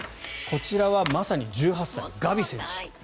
こちらはまさに１８歳ガビ選手。